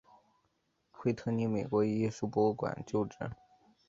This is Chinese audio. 惠特尼美国艺术博物馆旧址。